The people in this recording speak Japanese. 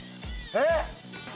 えっ？